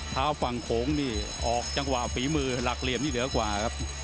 ฝั่งโขงนี่ออกจังหวะฝีมือหลักเหลี่ยมนี่เหนือกว่าครับ